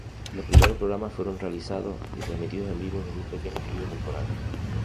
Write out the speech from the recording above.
Los primeros programas fueron realizados y transmitidos en vivo desde un pequeño estudio temporal.